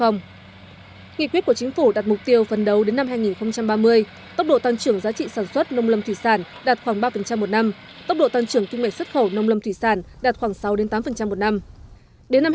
nghị quyết của chính phủ đặt mục tiêu phần đầu đến năm hai nghìn ba mươi tốc độ tăng trưởng giá trị sản xuất nông lâm thủy sản đạt khoảng ba một năm tốc độ tăng trưởng kinh mệnh xuất khẩu nông lâm thủy sản đạt khoảng sáu tám một năm